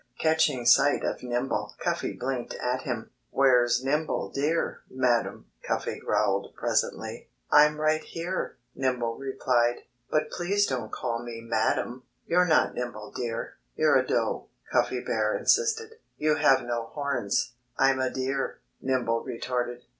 Catching sight of Nimble, Cuffy blinked at him. "Where's Nimble Deer, madam?" Cuffy Bear growled presently. "I'm right here!" Nimble replied. "But please don't call me 'madam!'" "You're not Nimble Deer. You're a Doe," Cuffy Bear insisted. "You have no horns." "I'm a Deer," Nimble retorted.